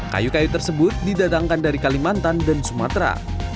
kayu kayu tersebut didatangkan dari kalimantan dan sumatera